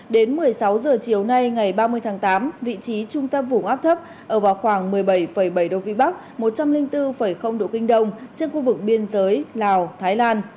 đến một mươi sáu h chiều nay ngày ba mươi tháng tám vị trí trung tâm vùng áp thấp ở vào khoảng một mươi bảy bảy độ vĩ bắc một trăm linh bốn độ kinh đông trên khu vực biên giới lào thái lan